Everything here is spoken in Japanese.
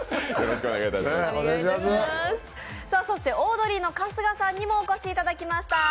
オードリーの春日さんにもお越しいただきました。